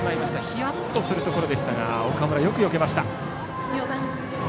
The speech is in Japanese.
ヒヤッとするところでしたが岡村、よくよけました。